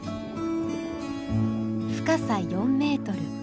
深さ４メートル。